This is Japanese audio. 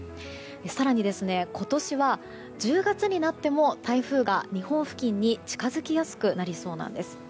更に今年は、１０月になっても台風が日本付近に近づきやすくなりそうです。